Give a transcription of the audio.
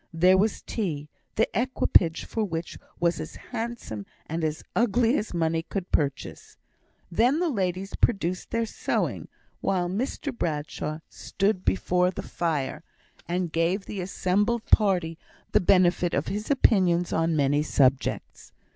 There was tea, the equipage for which was as handsome and as ugly as money could purchase. Then the ladies produced their sewing, while Mr Bradshaw stood before the fire, and gave the assembled party the benefit of his opinions on many subjects.